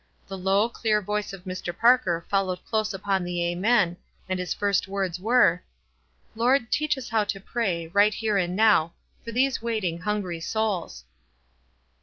The low, clear voice of Mr. Parker followed close upon the "Amen," and his first words were, — "Lord, teach us how to pray, right here and now, for these waiting, hungry souls."